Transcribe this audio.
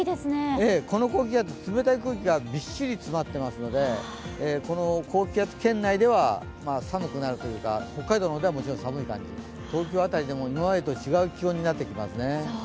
この高気圧、冷たい空気がびっしり詰まっていますので、この高気圧圏内では寒くなるというか、北海道の方ではもちろん寒い感じ東京辺りでも今までと違う気温になってきます。